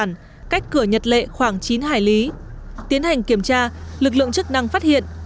trên vùng biển tuyết cửa nhật lệ khoảng chín hải lý tiến hành kiểm tra lực lượng chức năng phát hiện